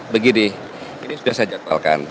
begini ini sudah saya jadwalkan